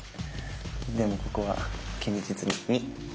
でもここは堅実に２！